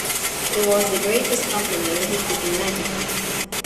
It was the greatest compliment that he could imagine.